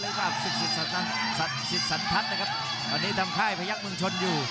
หรือกราบศึกศิษย์สันทัศน์นะครับตอนนี้ทำค่ายพยักษ์เมืองชนอยู่